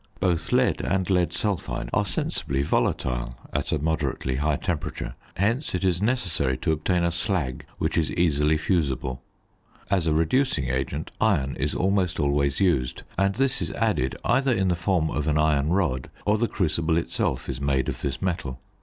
Both lead and lead sulphide are sensibly volatile at a moderately high temperature; hence it is necessary to obtain a slag which is easily fusible. As a reducing agent iron is almost always used, and this is added either in the form of an iron rod, or the crucible itself is made of this metal.